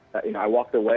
saya berjalan ke jalan